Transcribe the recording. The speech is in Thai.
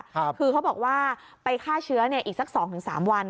คือเขาบอกว่าไปฆ่าเชื้ออีกสัก๒๓วัน